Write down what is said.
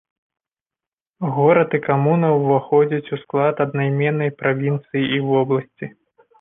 Горад і камуна ўваходзяць у склад аднайменнай правінцыі і вобласці.